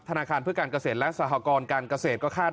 ธนาคารเพื่อการเกษตรและสหกรการเกษตรก็คาด